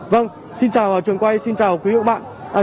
vâng xin chào trường quay xin chào quý vị và các bạn